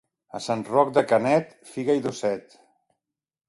A Sant Roc de Canet, figa i dosset.